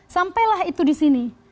sampailah itu di sini